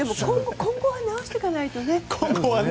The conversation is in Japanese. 今後は直していかないとね。